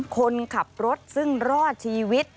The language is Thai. คนขับรถซึ่งรอดชีวิต